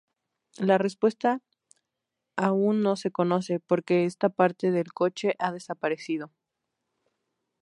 La respuesta aún no se conoce, porque esta parte del coche ha desaparecido.